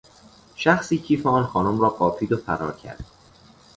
شخصی کیف آن خانم را قاپید و فرار کرد.